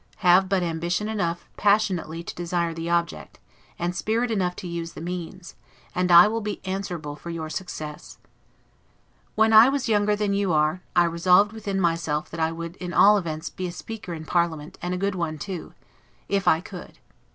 Have but ambition enough passionately to desire the object, and spirit enough to use the means, and I will be answerable for your success. When I was younger than you are, I resolved within myself that I would in all events be a speaker in parliament, and a good one too, if I could.